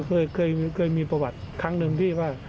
เพราะมันเคยมีประวัติครั้งหนึ่งที่ว่า